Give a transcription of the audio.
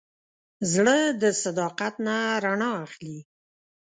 زړه د صداقت نه رڼا اخلي.